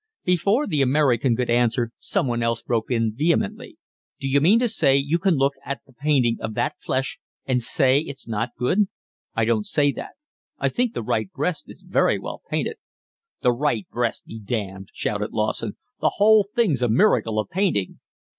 Before the American could answer someone else broke in vehemently. "D'you mean to say you can look at the painting of that flesh and say it's not good?" "I don't say that. I think the right breast is very well painted." "The right breast be damned," shouted Lawson. "The whole thing's a miracle of painting."